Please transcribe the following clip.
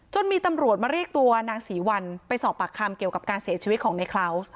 มีตำรวจมาเรียกตัวนางศรีวัลไปสอบปากคำเกี่ยวกับการเสียชีวิตของในคลาวส์